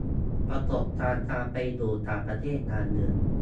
ประสบการณ์การไปอยู่ต่างประเทศอย่างหนึ่ง